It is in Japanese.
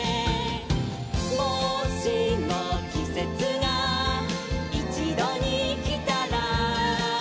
「もしもきせつがいちどにきたら」